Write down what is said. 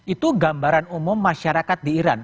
itu gambaran umum masyarakat di iran